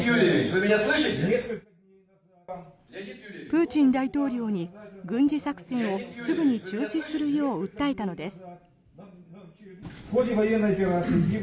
プーチン大統領に軍事作戦をすぐに中止するよう訴えたのです。